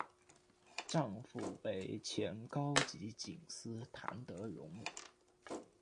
丈夫为前高级警司谭德荣。